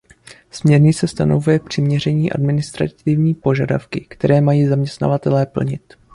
Směrnice stanovuje přiměření administrativní požadavky, které mají zaměstnavatelé plnit.